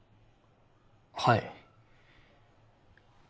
はい。